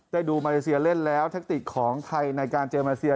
ดูมาเลเซียเล่นแล้วแทคติกของไทยในการเจอมาเซีย